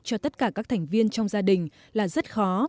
cho tất cả các thành viên trong gia đình là rất khó